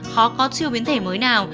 khó có siêu biến thể mới nào